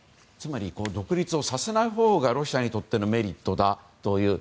つまり独立をさせないほうがロシアにとってメリットだと。